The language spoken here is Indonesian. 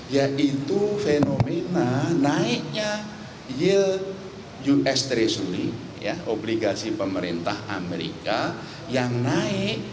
yaitu fenomena naiknya yield us treasury obligasi pemerintah amerika yang naik